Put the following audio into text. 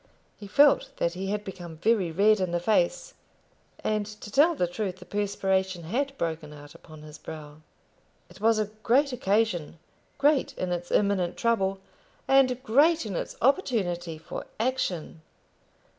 He felt that he had become very red in the face, and to tell the truth, the perspiration had broken out upon his brow. It was a great occasion, great in its imminent trouble, and great in its opportunity for action.